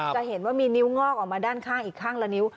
จะเห็นว่ามีนิ้วงอกออกมาด้านข้างอีกข้างละนิ้ว